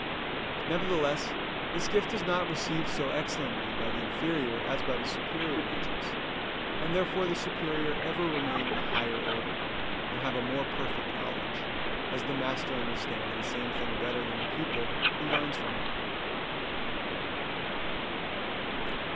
Nevertheless this gift is not received so excellently by the inferior as by the superior angels; and therefore the superior ever remain in a higher order, and have a more perfect knowledge; as the master understands the same thing better than the pupil who learns from him.